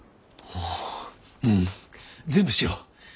ううん全部しよう。